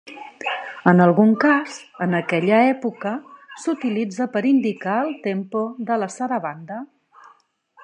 En algun cas, en aquella època, s'utilitza per indicar el tempo de la sarabanda.